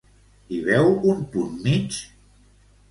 Hi veu un punt mig?